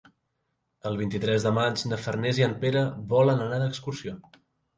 El vint-i-tres de maig na Farners i en Pere volen anar d'excursió.